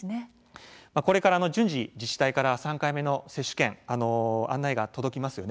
これから順次自治体から３回目の接種券案内が届きます。